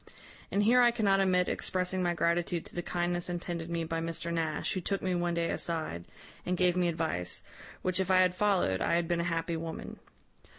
And here I cannot omit expressing my gratitude to the kindness intended me by Mr Nash, who took me one day aside, and gave me advice, which if I had followed, I had been a happy woman.